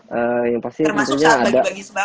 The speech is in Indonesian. termasuk saat bagi bagi sembah